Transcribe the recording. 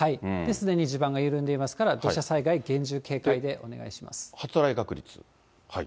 すでに地盤が緩んでいますから、土砂災害厳重警戒でお願いします。